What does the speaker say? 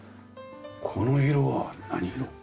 この色は何色？